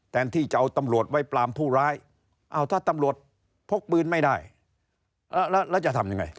ที่จะเอาตำรวจไว้ปรามผู้ร้ายอ้าวถ้าตำรวจพกปืนไม่ได้แล้วจะทำยังไง